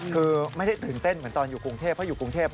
คือไม่ได้ตื่นเต้นเหมือนตอนอยู่กรุงเทพเพราะอยู่กรุงเทพ